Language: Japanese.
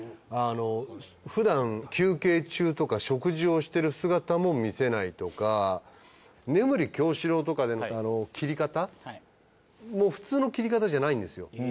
ふだん休憩中とか食事をしてる姿も見せないとか『眠狂四郎』とかでの斬り方も普通の斬り方じゃないんですよ。